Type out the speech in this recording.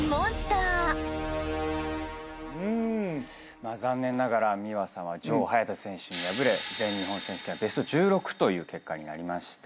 まあ残念ながら美和さんは女王早田選手に敗れ全日本選手権はベスト１６という結果になりました。